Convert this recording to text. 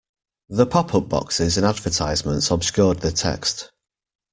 The pop-up boxes and advertisements obscured the text